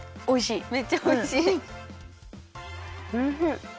おいしい！